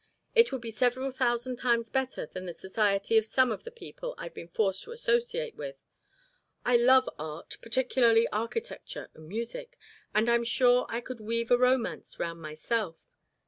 It would be several thousand times better than the society of some of the people I've been forced to associate with. I love art, particularly architecture and music, and I'm sure I could weave a romance round myself.